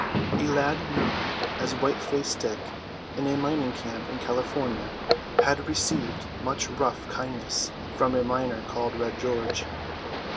"* [A lad known as White faced Dick in a mining camp in California had received much rough kindness from a miner called Red George.